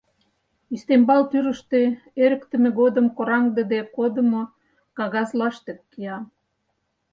Ӱстембал тӱрыштӧ эрыктыме годым кораҥдыде кодымо кагаз лаштык кия.